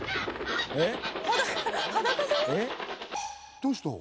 どうした？